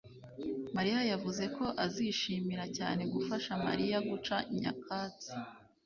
mariya yavuze ko azishimira cyane gufasha Mariya guca nyakatsi